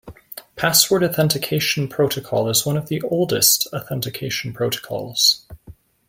Password Authentication Protocol is one of the oldest authentication protocols.